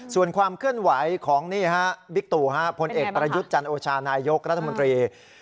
ส่วนความเคลื่อนไหวของนี่ฮะบิ๊กตู่พลเอกประยุทธ์จันโอชานายกรัฐมนตรี